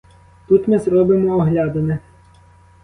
Тут ми зробимо оглядини.